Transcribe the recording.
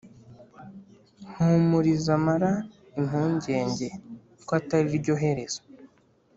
mpumuriza mara impungenge ko atari ryo herezo